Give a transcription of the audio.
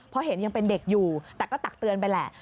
พอเห็นยังเป็นเด็กอยู่แต่ก็ตักเตือนไปแหละ